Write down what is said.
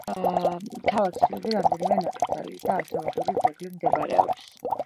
ქალაქის ირგვლივ რამდენიმე ნაკრძალი და არქეოლოგიური ძეგლი მდებარეობს.